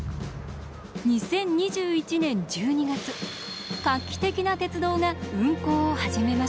２０２１年１２月画期的な鉄道が運行を始めました。